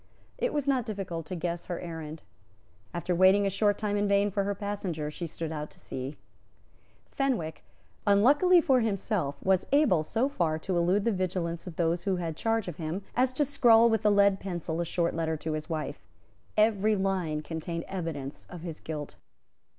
It was not difficult to guess her errand. After waiting a short time in vain for her passenger, she stood out to sea. Fenwick, unluckily for himself, was able so far to elude the vigilance of those who had charge of him as to scrawl with a lead pencil a short letter to his wife. Every line contained evidence of his guilt.